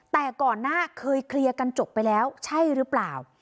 แต่ก่อนหน้าเคยเคลียร์กันจบไปแล้วใช่หรือเปล่า